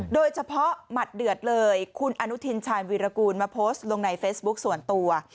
หมัดเดือดเลยคุณอนุทินชาญวีรกูลมาโพสต์ลงในเฟซบุ๊คส่วนตัว